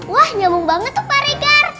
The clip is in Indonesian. wah nyambung banget tuh pak regar